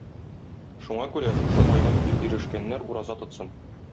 Шуңа күрә, шушы айга килеп ирешкәннәр ураза тотсын.